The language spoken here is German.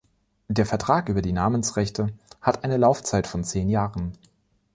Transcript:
Der Vertrag über die Namensrechte hat eine Laufzeit von zehn Jahren.